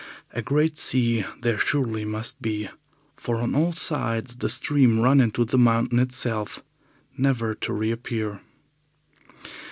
A great sea there must surely be, for on all sides the streams run into the mountain itself, never to reappear.